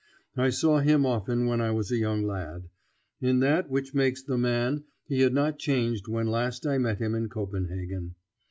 I saw him often when I was a young lad. In that which makes the man he had not changed when last I met him in Copenhagen.